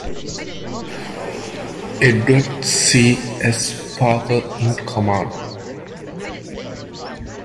Edward C. S. Parker in command.